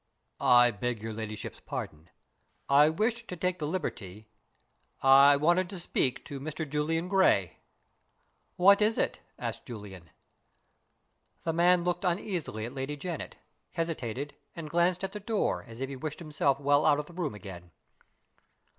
"I beg your ladyship's pardon. I wished to take the liberty I wanted to speak to Mr. Julian Gray." "What is it?" asked Julian. The man looked uneasily at Lady Janet, hesitated, and glanced at the door, as if he wished himself well out of the room again.